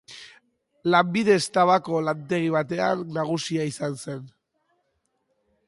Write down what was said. Lanbidez tabako lantegi baten nagusia izan zen.